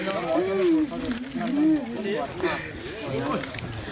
ไหนล่างเท้า